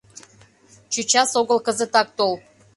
Чӧчас огыл, кызытак тол.